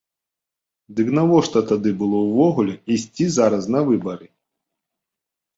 Дык навошта тады было ўвогуле ісці зараз на выбары?